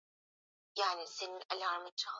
hiyo imekuwa kitu zaukane ambayo linaweza likaa